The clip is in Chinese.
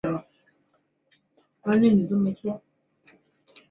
任何人不得加以酷刑,或施以残忍的、不人道的或侮辱性的待遇或刑罚。